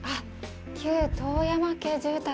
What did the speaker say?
旧遠山家住宅。